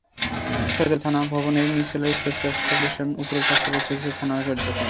ছয়তলা থানা ভবনের নিচতলায় চলছে ব্যবসা প্রতিষ্ঠান, ওপরের পাঁচতলায় চলে থানার কার্যক্রম।